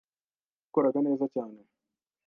ibyo yabikoraga neza cyane".